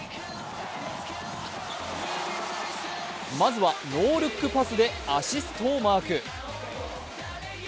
まずはノールックパスでアシストをマーク。